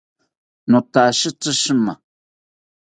Notashitatzi shima